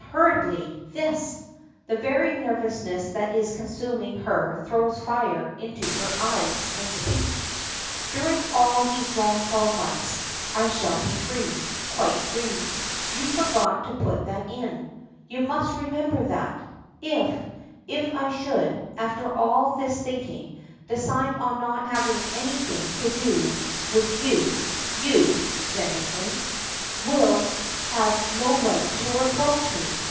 hurriedly. "This!" The very nervousness that is consuming her throws fire into her eyes and speech. "During all these long twelve months I shall be free. Quite free. You forgot to put that in! You must remember that! If if I should, after all this thinking, decide on not having anything to do with you you," vehemently, "will have no right to reproach me.